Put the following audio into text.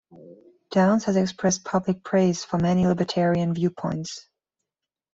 Downs has expressed public praise for many libertarian viewpoints.